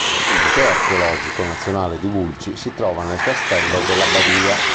Il Museo archeologico nazionale di Vulci si trova nel Castello dell'Abbadia.